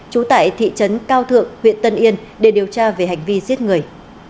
trú tại thị trấn cao thượng huyện tân yên để điều tra về hành vi giết người